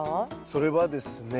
それはですね